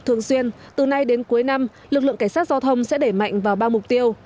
thường xuyên từ nay đến cuối năm lực lượng cảnh sát giao thông sẽ để mạnh vào ba mục tiêu